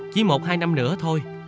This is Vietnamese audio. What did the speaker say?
chỉ một hai năm nữa thôi